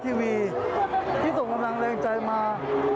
ที่ส่งกำลังแรงใจมา